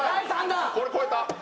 これ越えた。